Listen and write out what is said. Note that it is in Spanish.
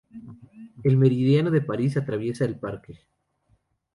El meridiano de París atraviesa el parque.